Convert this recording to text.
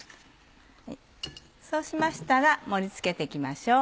そうしましたら盛り付けて行きましょう。